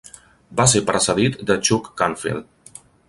Va ser precedit de Chuck Canfield.